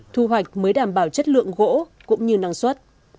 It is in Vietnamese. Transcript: thu hoạch mới đảm bảo chất lượng gỗ cũng như năng suất